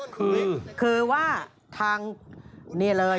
คือคือว่าทางนี่เลย